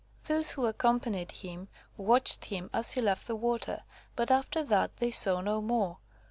Those who accompanied him, watched him as he left the water; but, after that, they saw no more.